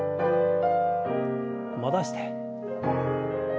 戻して。